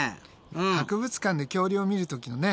博物館で恐竜を見る時のね